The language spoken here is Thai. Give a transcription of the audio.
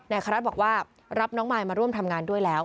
อาคารรัฐบอกว่ารับน้องมายมาร่วมทำงานด้วยแล้ว